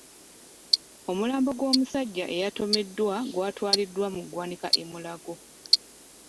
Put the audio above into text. Omulambo gw'omusajja eyatomeddwa gwatwaliddwa mu ggwanika e Mulago.